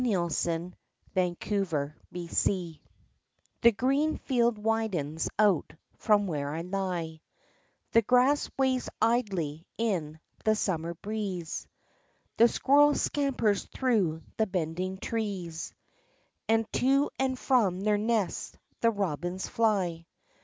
Ill THE CITY OF THE DEAD THE green field widens out from where I lie; The grass waves idly in the Summer breeze; The squirrel scampers through the bending trees,— And to and from their nests the robins fly.